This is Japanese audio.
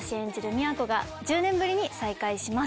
美和子が１０年ぶりに再会します。